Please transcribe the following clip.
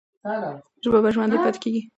ژبه به ژوندۍ پاتې کېږي.